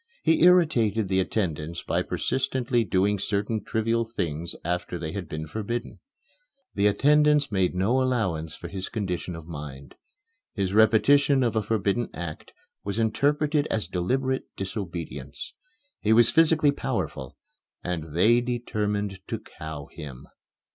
He irritated the attendants by persistently doing certain trivial things after they had been forbidden. The attendants made no allowance for his condition of mind. His repetition of a forbidden act was interpreted as deliberate disobedience. He was physically powerful, and they determined to cow him.